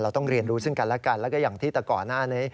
เราต้องเรียนรู้ซึ่งกันแล้วกัน